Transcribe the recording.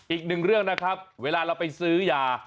อีกหนึ่งเรื่องนะครับเวลาเราไปซื้อยา